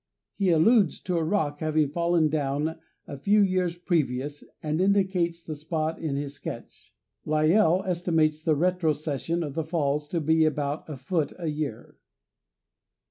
He alludes to a rock having fallen down a few years previous and indicates the spot in his sketch. Lyell estimates the retrocession of the falls to be about a foot a year.